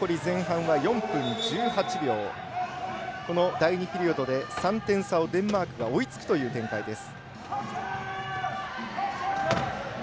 第２ピリオドで３点差をデンマークが追いつくという展開です。